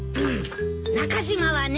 中島はね。